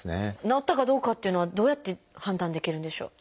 治ったかどうかっていうのはどうやって判断できるんでしょう？